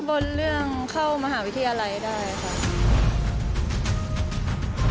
บนเรื่องเข้ามหาวิทยาลัยได้ค่ะ